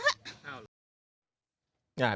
ดุมน้ำตัวไปหา